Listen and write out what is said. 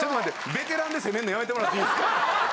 ベテランで責めんのやめてもらっていいですか？